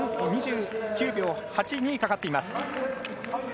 ２９秒８２となっています。